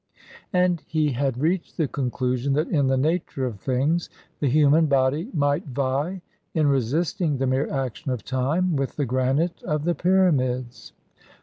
And he had reached the conclusion that, in the nature of things, the human body might vie, in resisting the mere action of time, with the granite of the pyramids.